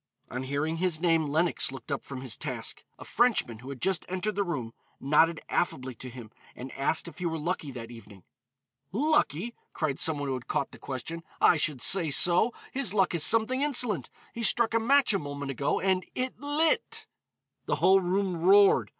On hearing his name, Lenox looked up from his task. A Frenchman who had just entered the room nodded affably to him and asked if he were lucky that evening. "Lucky!" cried some one who had caught the question, "I should say so. His luck is something insolent; he struck a match a moment ago and it lit." The whole room roared.